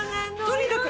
とにかく。